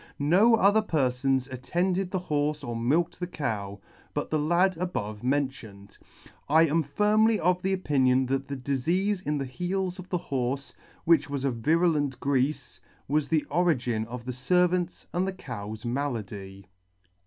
No other perfon attended the horfe or milked the cow, but the lad above mentioned. I am firmly of opinion that the difeafe in the heels of the horfe, which was a virulent greafe, was the origin of the Yervant's and the cow's malady."